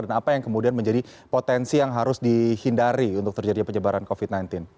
dan apa yang kemudian menjadi potensi yang harus dihindari untuk terjadi penyebaran covid sembilan belas